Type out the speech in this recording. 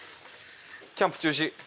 キャンプ中止。